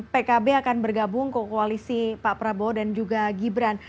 pkb akan bergabung ke koalisi pak prabowo dan juga gibran